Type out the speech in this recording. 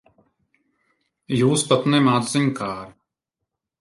Jūs pat nemāc ziņkāre.